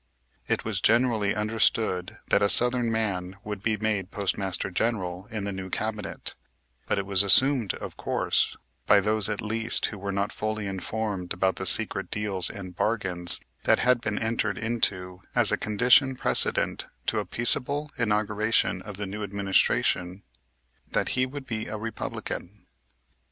It was generally understood that a southern man would be made Postmaster General in the new cabinet, but it was assumed, of course, by those, at least, who were not fully informed about the secret deals and bargains that had been entered into as a condition precedent to a peaceable inauguration of the new administration, that he would be a Republican.